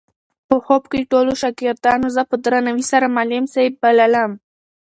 په خوب کې ټولو شاګردانو زه په درناوي سره معلم صاحب بللم.